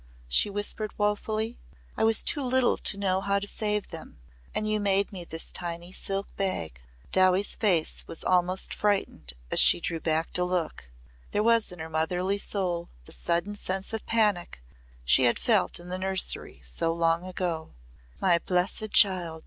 she whispered woefully. "I was too little to know how to save them. And you made me this tiny silk bag." Dowie's face was almost frightened as she drew back to look. There was in her motherly soul the sudden sense of panic she had felt in the nursery so long ago. "My blessed child!"